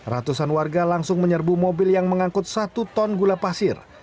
ratusan warga langsung menyerbu mobil yang mengangkut satu ton gula pasir